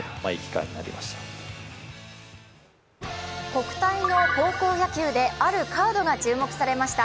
国体の高校野球で、あるカードが注目されました。